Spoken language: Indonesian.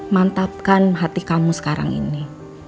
mantapkan hati kamu sekarang ini